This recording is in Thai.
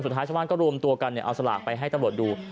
ชาวบ้านก็รวมตัวกันเอาสลากไปให้ตำรวจดู